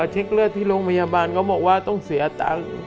เช็คเลือดที่โรงพยาบาลเขาบอกว่าต้องเสียตังค์